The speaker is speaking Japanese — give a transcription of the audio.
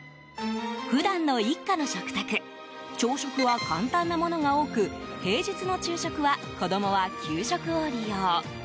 普段の一家の食卓朝食は簡単なものが多く平日の昼食は子供は給食を利用。